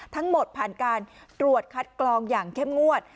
ทั้งหมดผ่านการตรวจคัดกรองอย่างเข้มงวด